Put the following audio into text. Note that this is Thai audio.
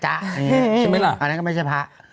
ใช่ไหมล่ะอันนั้นก็ไม่ใช่พระ